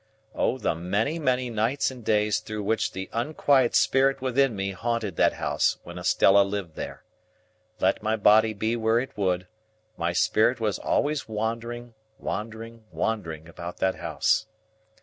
O the many, many nights and days through which the unquiet spirit within me haunted that house when Estella lived there! Let my body be where it would, my spirit was always wandering, wandering, wandering, about that house.